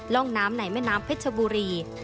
ร่องน้ำในแม่น้ำเพชรบุรี